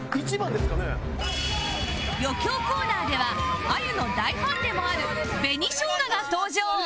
余興コーナーではあゆの大ファンでもある紅しょうがが登場